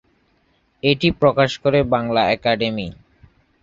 এটি প্রকাশ করে বাংলা একাডেমি।